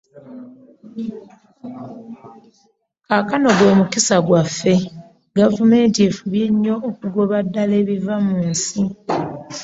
Kaakano gwe mukisa gwaffe Gavumenti efubye nnyo okugobera ddala ebiva mu nsi.